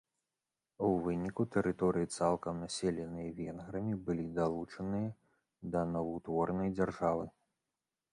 У выніку, тэрыторыі цалкам населеныя венграмі былі далучаныя да новаўтворанай дзяржавы.